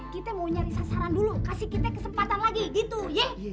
kita mau nyari sasaran dulu kasih kita kesempatan lagi gitu ye